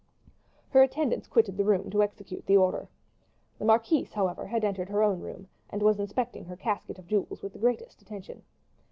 Her attendants quitted the room to execute the order. The marquise, however, had entered her own room, and was inspecting her casket of jewels with the greatest attention.